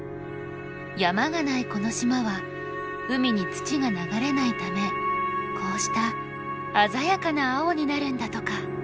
山がないこの島は海に土が流れないためこうした鮮やかな青になるんだとか。